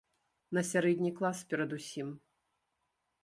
На сярэдні клас перадусім.